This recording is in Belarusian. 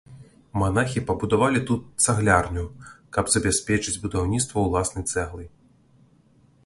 Манахі пабудавалі тут цаглярню, каб забяспечыць будаўніцтва ўласнай цэглай.